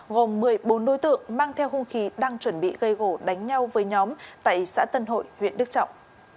gồm một mươi bốn đối tượng mang theo hung khí đang chuẩn bị gây gỗ đánh nhau với nhóm tại xã tân hội huyện đức trọng